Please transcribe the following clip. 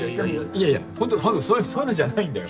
いやいやほんとそういうのじゃないんだよ。